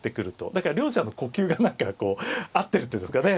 だから両者の呼吸が何かこう合ってるっていうんですかね